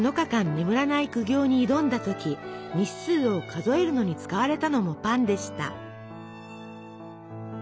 眠らない苦行に挑んだ時日数を数えるのに使われたのもパンでした。